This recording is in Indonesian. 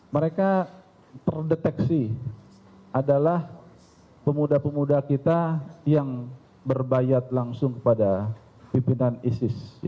mereka terdeteksi adalah pemuda pemuda kita yang berbayat langsung kepada pimpinan isis